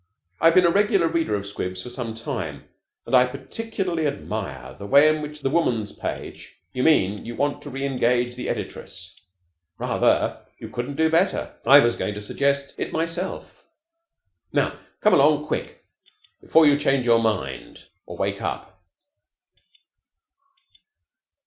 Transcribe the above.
"I have been a regular reader of 'Squibs' for some time, and I particularly admire the way in which the Woman's Page " "You mean you want to reengage the editress? Rather. You couldn't do better. I was going to suggest it myself. Now, come along quick before you change your mind or wake up."